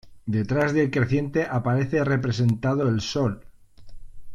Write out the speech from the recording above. Detrás del creciente aparece representado el sol.